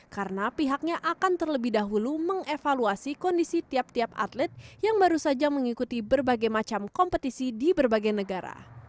karena pihaknya akan terlebih dahulu mengevaluasi kondisi tiap tiap atlet yang baru saja mengikuti berbagai macam kompetisi di berbagai negara